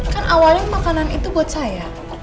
kan awalnya makanan itu buat saya